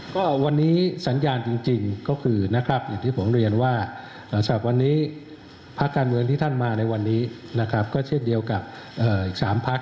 ก็เช่นเดียวกับอีก๓พัก